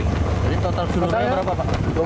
jadi total seluruhnya berapa pak